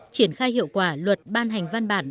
triển khai hiệu quả luật ban hành văn bản